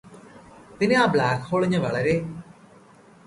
പിന്നെ ആ ബ്ലാക്ക്ഹോളിനു വളരെ